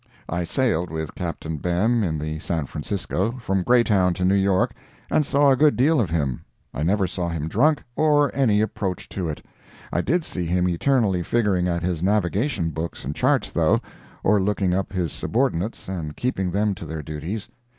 I sailed with Captain Behm, in the San Francisco, from Greytown to New York, and saw a good deal of him. I never saw him drunk, or any approach to it. I did see him eternally figuring at his navigation books and charts, though, or looking up his subordinates and keeping them to their duties.